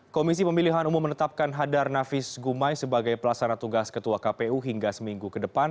komisi pemilihan umum menetapkan hadar nafis gumai sebagai pelaksana tugas ketua kpu hingga seminggu ke depan